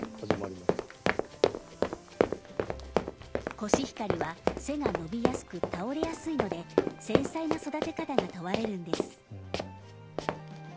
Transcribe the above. コシヒカリは背が伸びやすく倒れやすいので繊細な育て方が問われるんです。